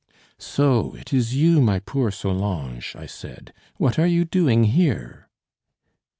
"So it is you, my poor Solange?" I said. "What are you doing here?"